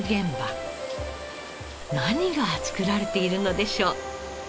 何が造られているのでしょう？